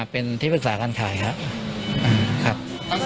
เป็นที่ปรึกษาการขายครับ